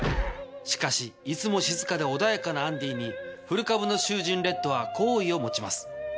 しかしいつも静かで穏やかなアンディーに古株の囚人・レッドは好意を持ちます。